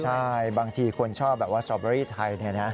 ใช่บางทีคนชอบแบบว่าสตอเบอรี่ไทยเนี่ยนะ